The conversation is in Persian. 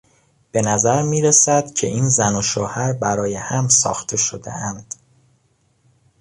به نظر میرسد که این زن و شوهر برای هم ساخته شدهاند.